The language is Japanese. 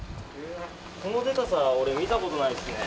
このでかさは俺見たことないですね。